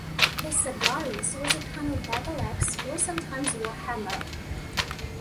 The "sagaris" was a kind of battle-axe, or sometimes War hammer.